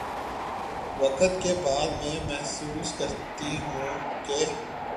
واقعات کے بعد میں محسوس کرتی ہوں کہ